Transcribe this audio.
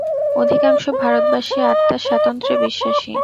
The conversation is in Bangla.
অধিকাংশ ভারতবাসী আত্মার স্বাতন্ত্র্যে বিশ্বাসী।